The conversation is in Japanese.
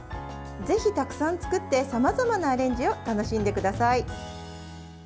ぜひたくさん作ってさまざまなアレンジを楽しんでください。